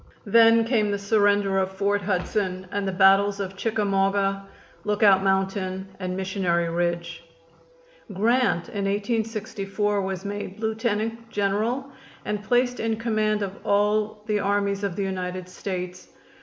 Then came the surrender of Fort Hudson and the battles of Chickamauga, Lookout Mountain and Missionary Ridge. Grant in 1864 was made Lieutenant General and placed in command of all the armies of the United States.